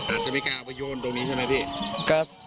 อาจจะไม่กล้าเอาไปโยนตรงนี้ใช่ไหมพี่